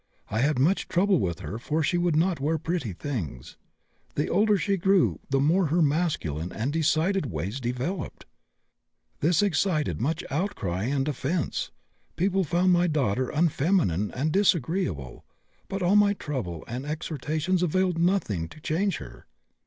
I had much trouble with her for she would not wear pretty things. The older she grew the more her masculine and decided ways developed. This excited much outcry and offence. People found my daughter unfeminine and disagreeable, but all my trouble and exhortations availed nothing to change her."